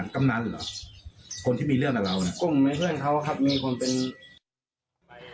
คนที่มีเรื่องกับเรานะ